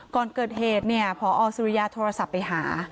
ก่อนเกิดเหตุเนี่ยพอสุริยาโทรศัพท์ไปหา